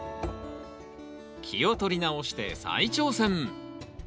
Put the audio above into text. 気を取り直して再挑戦！